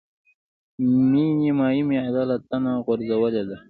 مې نيمایي معده له تنه غورځولې ده.